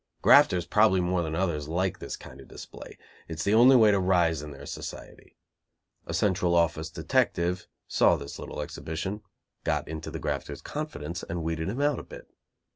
Grafters, probably more than others, like this kind of display. It is the only way to rise in their society. A Central Office detective saw this little exhibition, got into the grafters confidence and weeded him out a bit.